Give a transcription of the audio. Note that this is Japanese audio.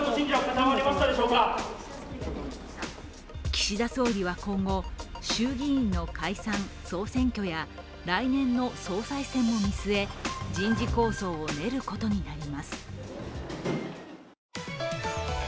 岸田総理は今後、衆議院の解散総選挙や来年の総裁選も見据え人事構想を練ることになります。